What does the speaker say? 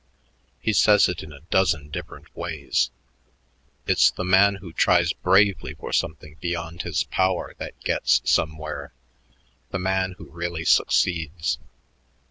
He says it in a dozen different ways. It's the man who tries bravely for something beyond his power that gets somewhere, the man who really succeeds.